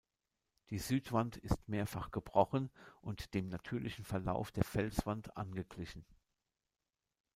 Die Südwand ist mehrfach gebrochen und dem natürlichen Verlauf der Felswand angeglichen.